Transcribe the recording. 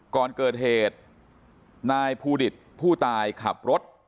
ก่อนเกิดเหตุนายภูดิตผู้ตายขับรถ